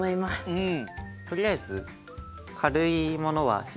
うん！